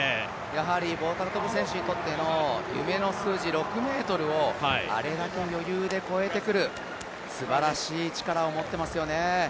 棒高跳選手にとっての夢の数字、６ｍをあれだけ余裕で越えてくるすばらしい力を持ってますよね。